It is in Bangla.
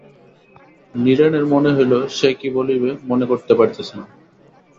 নীরেনের মনে হইল সে কি বলিবে মনে করিতে পারিতেছে না।